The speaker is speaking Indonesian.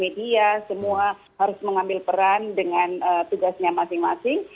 media semua harus mengambil peran dengan tugasnya masing masing